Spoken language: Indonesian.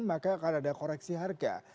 maka akan ada koreksi harga